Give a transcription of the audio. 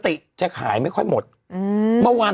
แต่อาจจะส่งมาแต่อาจจะส่งมา